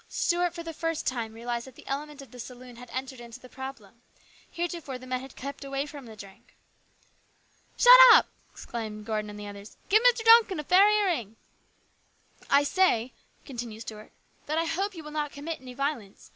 Stuart for the first time realised that the element of the saloon had entered into the problem. Hereto fore the men had kept away from the drink. " Shut up !" exclaimed Gordon and others. " Give Mr. Duncan fair hearing." " I say," continued Stuart, " that I hope you will not commit any violence.